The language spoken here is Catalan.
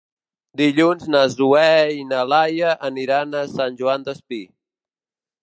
Dilluns na Zoè i na Laia aniran a Sant Joan Despí.